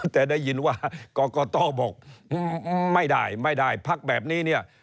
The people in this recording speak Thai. แต่ได้ยินว่ากรกตบอกไม่ได้ไม่ได้พักแบบนี้เนี่ย